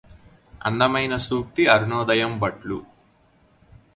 అందమైన సూక్తి అరుణోదయంబట్లు